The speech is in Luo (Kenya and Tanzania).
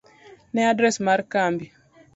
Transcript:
ne adres mar kambi.